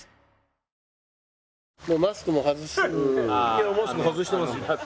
いやマスク外してますよ。